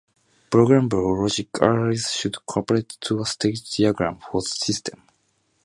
Programmable logic arrays should correspond to a state diagram for the system.